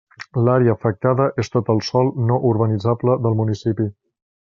L'àrea afectada és tot el sòl no urbanitzable del municipi.